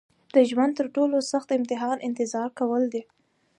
د ژوند تر ټولو سخت امتحان انتظار کول دي.